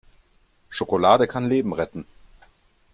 Schokolade kann Leben retten!